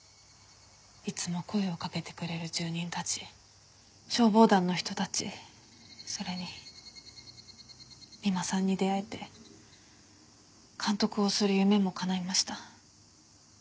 いつも声をかけてくれる住人たち消防団の人たちそれに三馬さんに出会えて監督をする夢もかないました。